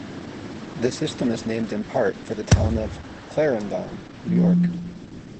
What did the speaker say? The system is named in part for the town of Clarendon, New York.